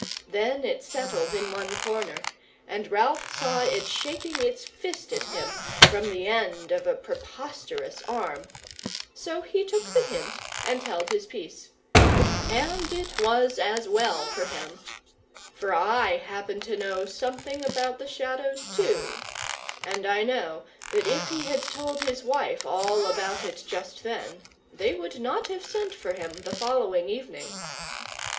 Then it settled in one corner, and Ralph saw it shaking its fist at him from the end of a preposterous arm. So he took the hint, and held his peace. And it was as well for him. For I happen to know something about the Shadows too; and I know that if he had told his wife all about it just then, they would not have sent for him the following evening.